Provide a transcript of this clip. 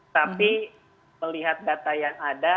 tapi melihat data yang ada